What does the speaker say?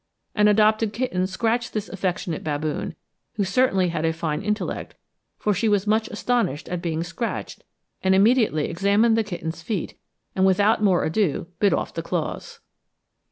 An adopted kitten scratched this affectionate baboon, who certainly had a fine intellect, for she was much astonished at being scratched, and immediately examined the kitten's feet, and without more ado bit off the claws.